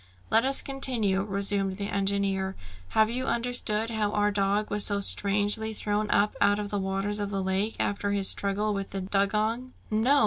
"Let us continue," resumed the engineer. "Have you understood how our dog was so strangely thrown up out of the waters of the lake, after his struggle with the dugong?" "No!